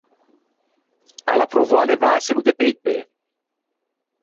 A l’à provou à levâselo de pe i pê.